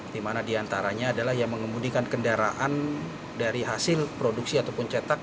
di mana diantaranya adalah yang mengemudikan kendaraan dari hasil produksi ataupun cetak